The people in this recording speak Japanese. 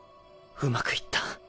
うまくいった。